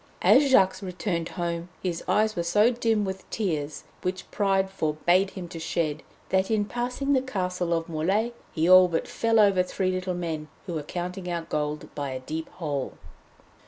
As Jacques returned home his eyes were so dim with the tears which pride forbade him to shed, that in passing the castle of Morlaix he all but fell over three little men, who were counting out gold by a deep hole.